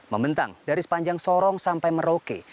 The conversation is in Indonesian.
membentang dari sepanjang sorong sampai merauke